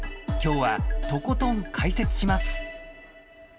きょうはとことん解説します。